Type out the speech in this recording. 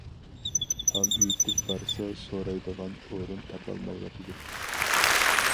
ھال ئېيتىپ بارسا سورايدىغان ئورۇن تاپالمايۋاتىدۇ.